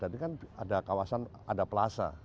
dan di sini kan ada kawasan ada plasa